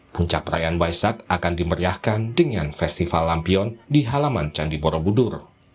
puncak perayaan waisak akan dimeriahkan dengan festival lampion di halaman candi borobudur